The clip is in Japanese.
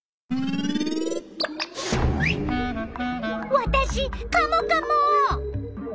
わたしカモカモ！